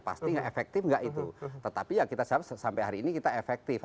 pasti nggak efektif nggak itu tetapi ya kita siap sampai hari ini kita efektif